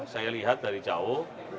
saya lihat dari jauh